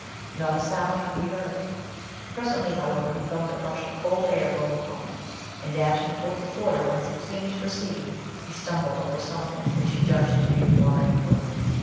Not a sound could be heard. Presently, however, he felt a rush of cold air blow upon him ; and dashing towards the quarter whence it seemed to proceed, he stumbled over something which he judged to be the water ewer.